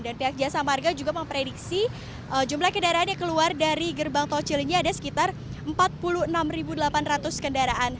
dan pihak jasa marga juga memprediksi jumlah kendaraan yang keluar dari gerbang tau cilenyi ada sekitar empat puluh enam delapan ratus kendaraan